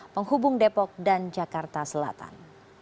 penghubung depok dan jakarta selatan